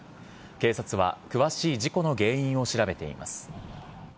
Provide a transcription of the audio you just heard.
警察は詳しい事故の原因を調べています。